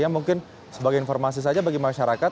mungkin sebagai informasi saja bagi masyarakat